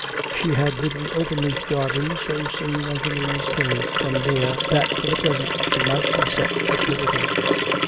She had ridden openly to Derby so soon as the news came from there that for the present she might be set at liberty.